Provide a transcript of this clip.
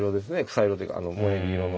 草色というかもえぎ色の。